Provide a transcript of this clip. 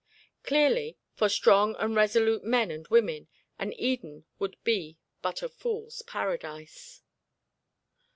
Clearly, for strong and resolute men and women, an Eden would be but a fool's paradise.